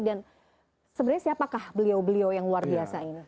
dan sebenarnya siapakah beliau beliau yang luar biasa ini